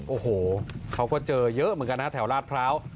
โอ้โหเขาก็เจอเยอะเหมือนกันนะแถวลาดพร้าว